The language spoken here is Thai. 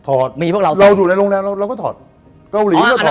ถอดเราอยู่ในโรงแรมเราก็ถอดเกาหลีก็ถอดก็ถอด